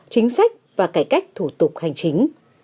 chính sách và cải cách thủ tục hành chính